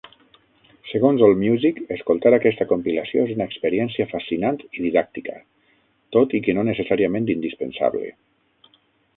Segons AllMusic, escoltar aquesta compilació és una experiència fascinant i didàctica, tot i que no necessàriament indispensable.